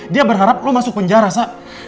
dia berharap lo masuk penjara sak